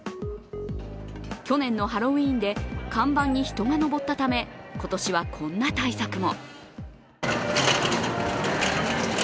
去年のハロウィーンで看板に人がのぼったため今年はこんな対策も。